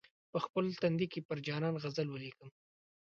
په خپل تندي کې پر جانان غزل ولیکم.